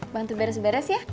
bantu beres beres ya